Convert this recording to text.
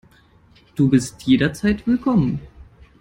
Du bist jederzeit willkommen.